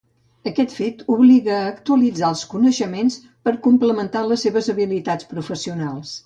Aquest fet obliga a actualitzar els coneixements per a complementar les seves habilitats professionals.